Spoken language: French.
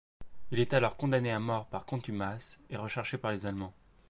Il est alors condamné à mort par contumace et recherché par les Allemands.